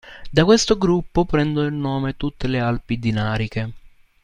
Da questo gruppo prendono il nome tutte le Alpi Dinariche.